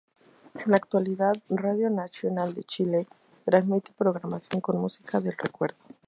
En la actualidad, Radio Nacional de Chile transmite programación con música del recuerdo.